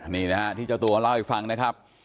นี่นะครับที่เจ้าตัวเราเล่าอีกฝั่งนะครับ